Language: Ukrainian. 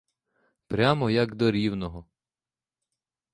Прямо як до рівного.